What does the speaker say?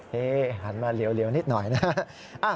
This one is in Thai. เฮ้หันมาเหลวนิดหน่อยนะ